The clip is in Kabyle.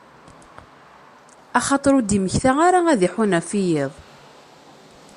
Axaṭer ur d-immekta ara ad iḥunn ɣef wiyaḍ.